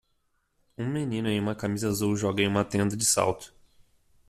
Um menino em uma camisa azul joga em uma tenda de salto.